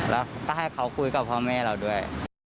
แล้วก็ให้เขาคุยกับพ่อแม่เราด้วย